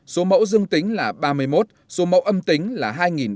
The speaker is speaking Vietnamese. số mẫu dương tính là ba mươi một số mẫu âm tính là hai ba trăm ba mươi sáu